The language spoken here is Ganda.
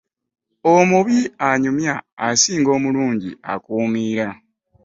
Omubbi anyumya asinga omulunji akuumira.